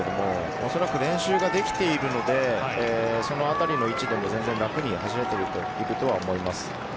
おそらく練習ができているのでこのあたりの位置でも楽に走れていると思います。